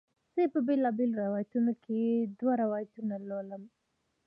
زه یې په بیلابیلو روایتونو کې دوه روایتونه لولم.